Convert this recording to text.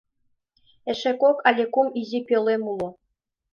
Эше кок але кум изи пӧлем уло.